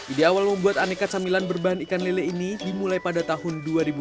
ide awal membuat aneka camilan berbahan ikan lele ini dimulai pada tahun dua ribu dua belas